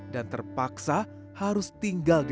dan terpaksa harus tinggal di sini